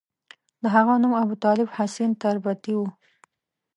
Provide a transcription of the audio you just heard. د هغه نوم ابوطالب حسین تربتي وو.